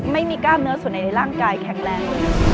ไม่มีกล้ามเนื้อส่วนไหนในร่างกายแข็งแรงเลย